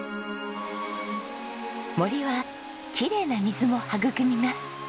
森はきれいな水も育みます。